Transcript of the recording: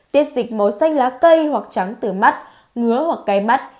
tiết dịch màu xanh lá cây hoặc trắng từ mắt ngứa hoặc cây mắt